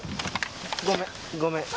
ごめんごめん。